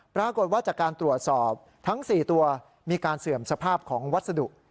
ปรากฏว่าจากการตรวจสอบทั้ง๔ตัวมีการเสื่อมสภาพของวัสดุ